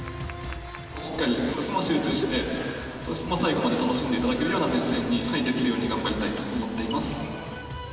しっかり集中して、最後まで楽しんでいただけるような熱戦にできるように頑張りたいと思っています。